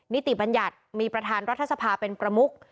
ติบัญญัติมีประธานรัฐสภาเป็นประมุก